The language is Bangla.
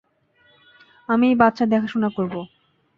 আমি এই বাচ্চার দেখাশুনা করব।